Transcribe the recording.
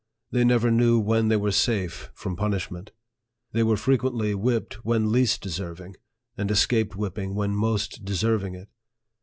They never knew when they were safe from punishment. They were frequently whipped when least deserving, and escaped whipping when most deserving it.